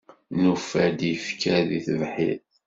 Nufa-d ifker deg tebḥirt.